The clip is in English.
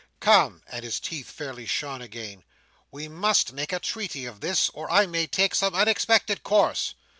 Come!" and his teeth fairly shone again. "We must make a treaty of this, or I may take some unexpected course.